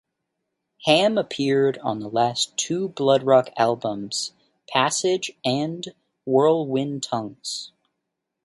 Ham appeared on the last two Bloodrock albums: "Passage" and "Whirlwind Tongues".